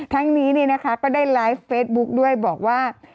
ทั้งนี้ก็ได้ไลฟ์เฟซบุ๊คด้วยบอกว่า